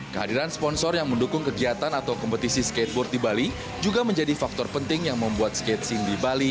kehadiran sponsor yang mendukung kegiatan atau kompetisi skateboard di bali juga menjadi faktor penting yang membuat skate scene di bali